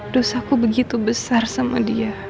dosa aku begitu besar sama dia